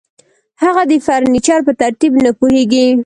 هغه د فرنیچر په ترتیب نه پوهیږي